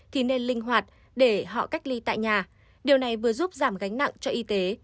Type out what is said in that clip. thì nên linh hoạt để họ cách ly tại nhà điều này vừa giúp giảm gánh nặng cho y tế